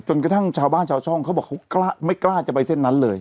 กระทั่งชาวบ้านชาวช่องเขาบอกเขาไม่กล้าจะไปเส้นนั้นเลย